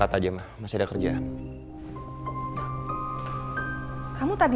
masa pagi pagi udah pergi lagi